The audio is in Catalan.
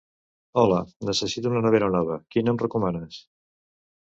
Hola, necessito una nevera nova, quina em recomanes?